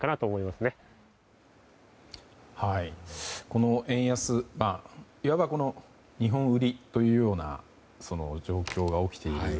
この円安、いわば日本売りというような状況が起きている。